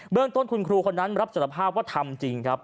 เบื้องต้นคุณครูคนนั้นรับจรรยภาพว่าทำจริง